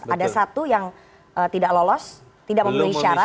ada satu yang tidak lolos tidak memenuhi syarat